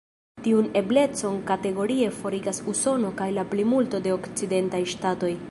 Tiun eblecon kategorie forigas Usono kaj la plimulto de okcidentaj ŝtatoj.